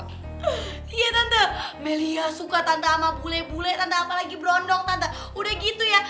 iya tante melia suka tante ama bule bule tante apalagi berondong tante udah gitu ya